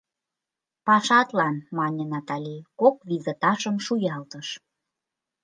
— Пашатлан, — мане Натали, кок визыташым шуялтыш.